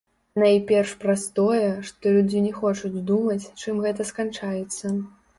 Найперш праз тое, што людзі не хочуць думаць, чым гэта сканчаецца.